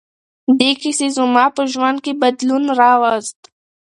دې کیسې زما په ژوند کې بدلون راوست.